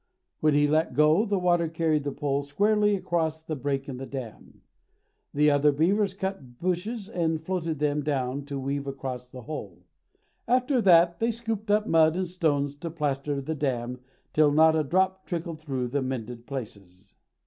When he let go the water carried the pole squarely across the break in the dam. The other beavers cut bushes and floated them down to weave across the hole. After that they scooped up mud and stones to plaster the dam till not a drop trickled through the mended places.